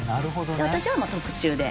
私はもう特注で。